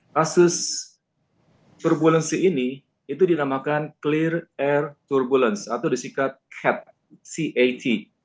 kasus turbulensi ini itu dinamakan clear air turbulensi atau disikat headcat